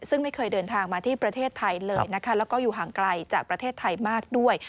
ซึ่งไม่เคยเดินทางมาที่ประเทศไทยเลยนะคะแล้วก็อยู่ห่างไกลจากประเทศไทยมากด้วย